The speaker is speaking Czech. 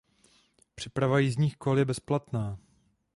Přeprava jízdních kol je bezplatná.